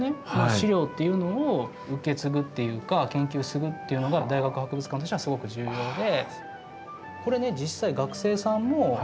資料っていうのを受け継ぐっていうか研究するっていうのが大学博物館としてはすごく重要で。